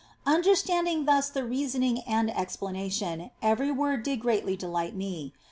Understanding thus the reasoning and explanation, every word did greatly delight me.